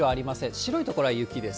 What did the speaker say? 白い所は雪です。